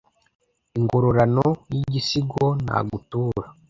ingororano y’igisigo nagutura